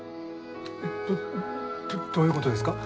えどどういうことですか？